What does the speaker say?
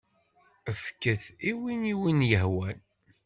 Fket-t i win i wen-yehwan.